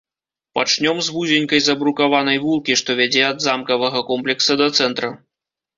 Пачнём з вузенькай забрукаванай вулкі, што вядзе ад замкавага комплекса да цэнтра.